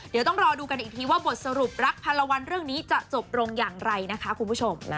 เดี๋ยวต้องรอดูกันอีกทีว่าบทสรุปรักพันละวันเรื่องนี้จะจบลงอย่างไรนะคะคุณผู้ชม